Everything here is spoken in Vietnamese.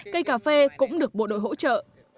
cây cà phê cũng được bộ đội hỗ trợ